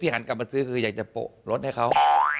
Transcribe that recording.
หันกลับมาซื้อคืออยากจะโปะรถให้เขา